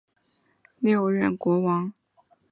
萨伏伊王朝第六任国王。